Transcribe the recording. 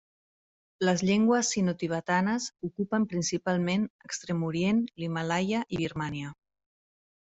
Les llengües sinotibetanes ocupen principalment Extrem Orient, l'Himàlaia i Birmània.